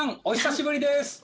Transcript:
お久しぶりです。